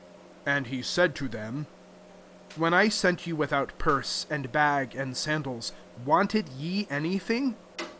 35 And he said to them, 'When I sent you without forse, and bag, and sandals, Unted ye any thing?"